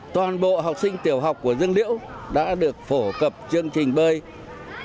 toàn bộ học sinh tiểu học của dương liễu đã được phổ cập chương trình bơi